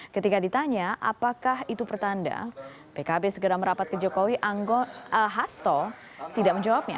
ketika ditanya apakah itu pertanda pkb segera merapat ke jokowi hasto tidak menjawabnya